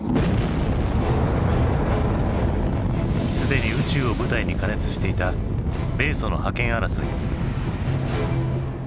すでに宇宙を舞台に過熱していた米ソの覇権争い。